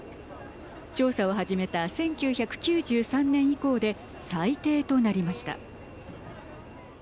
調査を始めた１９９３年以降で最低となりました。